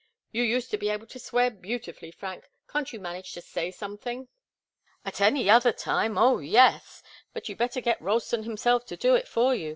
You used to be able to swear beautifully, Frank can't you manage to say something?" "At any other time oh, yes! But you'd better get Ralston himself to do it for you.